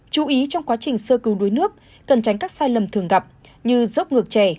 chú ý trong quá trình sơ cứu đuối nước cần tránh các sai lầm thường gặp như dốc ngược trẻ